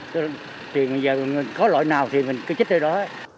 thì mình giờ có loại nào thì mình cứ chích tới đó